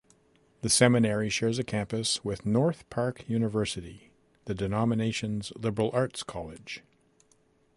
The seminary shares a campus with North Park University, the denomination's liberal arts college.